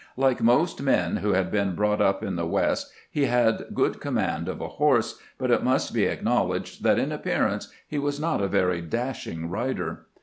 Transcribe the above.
Like most men who had been brought up in the West, he had good command of a horse, but it must be acknowledged that in appearance he was not a very dashing rider.